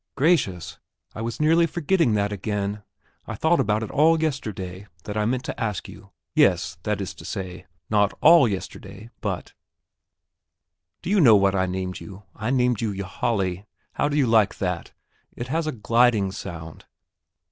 Gracious, I was nearly forgetting that again! I thought about it all yesterday, that I meant to ask you yes, that is to say, not all yesterday, but " "Do you know what I named you? I named you Ylajali. How do you like that? It has a gliding sound...."